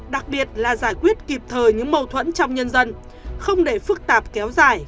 đặc biệt là giải quyết kịp thời những mâu thuẫn trong nhân dân không để phức tạp kéo dài